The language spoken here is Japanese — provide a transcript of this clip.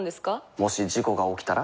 もし事故が起きたら？